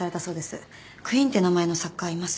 クイーンって名前の作家います？